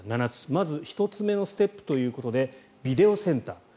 まず１つ目のステップということでビデオセンター。